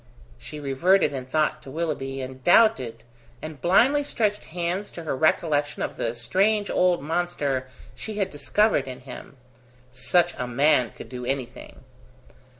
.." She reverted in thought to Willoughby, and doubted, and blindly stretched hands to her recollection of the strange old monster she had discovered in him. Such a man could do anything.